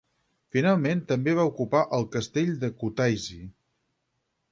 Finalment també va ocupar el castell de Kutaisi.